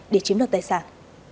để chiếm được tài sản